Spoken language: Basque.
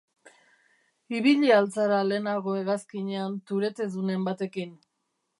Ibilia al zara lehenago hegazkinean tourettedunen batekin?